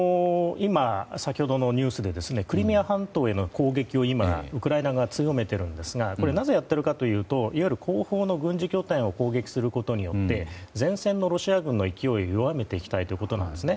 先ほどのニュースでクリミア半島への攻撃を今ウクライナ側は強めていますがなぜやっているかというといわゆる後方の軍事拠点を攻撃することによって前線のロシア軍の勢いを弱めていきたいということです。